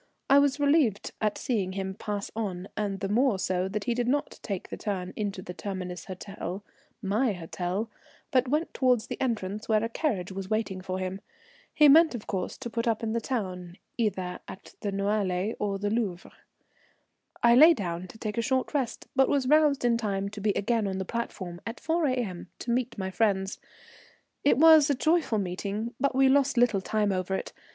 I was relieved at seeing him pass on, and the more so that he did not take the turn into the Terminus Hotel, my hotel, but went towards the entrance where a carriage was waiting for him. He meant of course to put up in the town, either at the Noailles or the Louvre. I lay down to take a short rest, but was roused in time to be again on the platform at 4 A.M. to meet my friends. It was a joyful meeting, but we lost little time over it.